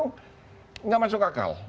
tidak masuk akal